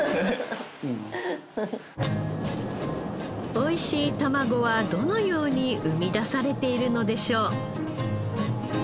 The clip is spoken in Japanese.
美味しいたまごはどのように生み出されているのでしょう？